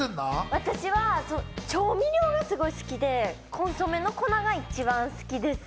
私は調味料がすごい好きで、コンソメの粉が一番好きです。